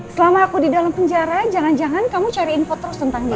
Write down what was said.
selama aku di dalam penjara jangan jangan kamu cari info terus tentang dia